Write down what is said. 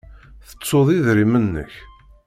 Tettuḍ idrimen-nnek?